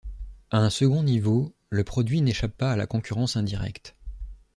À un second niveau, le produit n'échappe pas à la concurrence indirecte.